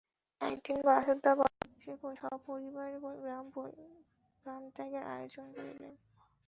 একদিন বাসুদেব বাড়ুজ্যে সপরিবারে গ্রামত্যাগের আয়োজন করিলেন।